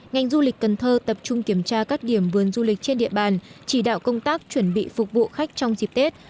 ngành du lịch cần thơ tập trung kiểm tra các điểm vườn du lịch trên địa bàn chỉ đạo công tác chuẩn bị phục vụ khách trong dịp tết